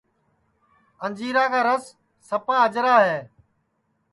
انجیرا کا رس سپا اجرا ہے